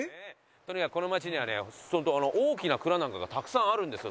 とにかくこの町にはね相当大きな蔵なんかがたくさんあるんですよ。